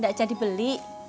gak jadi beli